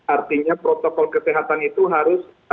artinya protokol kesehatan itu harus